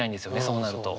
そうなると。